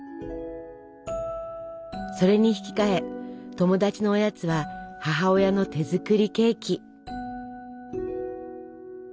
それにひきかえ友達のおやつは母親の手作りケーキ。